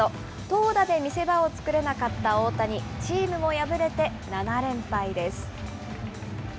投打で見せ場を作れなかった大谷、チームも敗れて７連敗です。